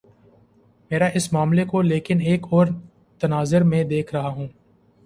میں اس معاملے کو لیکن ایک اور تناظر میں دیکھ رہا ہوں۔